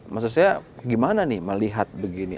maksudnya gimana nih melihat begini